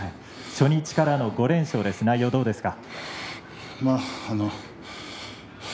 初日からの５連勝内容どうですか？